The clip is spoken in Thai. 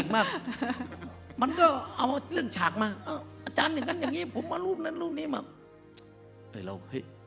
มันก็เอาเรื่องฉากมาอาจารย์อย่างนั้นอย่างนี้ผมเอารูปนั้นรูปนี้มา